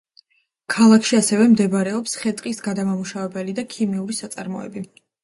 ქალაქში ასევე მდებარეობს ხე-ტყის გადამამუშავებელი და ქიმიური საწარმოები.